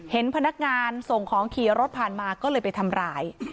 เห็นพนักงานส่งของขี่รถผ่านมาก็เลยไปทำร้าย